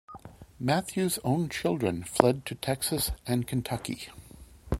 Mathews own children fled to Texas and Kentucky.